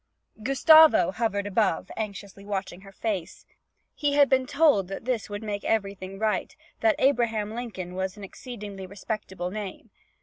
Gustavo hovered above, anxiously watching her face; he had been told that this would make everything right, that Abraham Lincoln was an exceedingly respectable name.